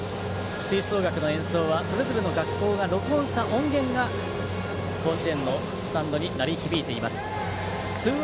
吹奏楽の演奏はそれぞれの学校が録音した音源が甲子園のスタンドに鳴り響いています。